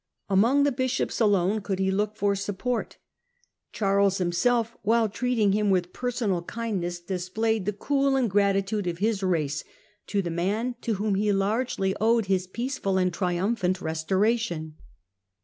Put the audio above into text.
Among the bishops alone could he logic for support. Charles him Ingratitude self, while treating him with personal kindness, of Charles, displayed the cool ingratitude of his race to the man to whom he largely owed his peaceful and triumphant restoration.